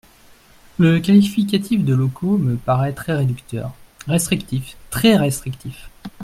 Le qualificatif de « locaux » me paraît très réducteur… Restrictif ! Très restrictif.